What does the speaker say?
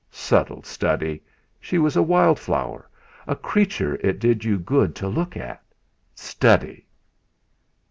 Subtle study! She was a wild flower. A creature it did you good to look at. Study!